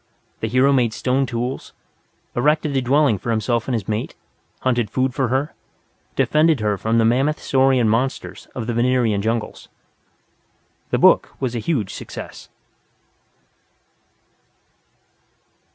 The hero made stone tools, erected a dwelling for himself and his mate, hunted food for her, defended her from the mammoth saurian monsters of the Venerian jungles. The book was a huge success.